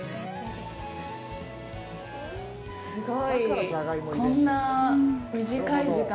すごい！